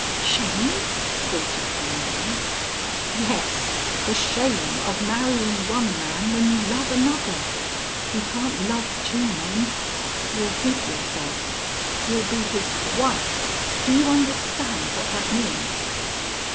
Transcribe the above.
"Shame?" faltered Columbine. "Yes. The shame of marrying one man when you love another. You can't love two men.... You'll give yourself. You'll be his wife! Do you understand what that means?"